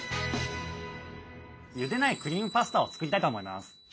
ゆでないクリームパスタを作りたいと思います。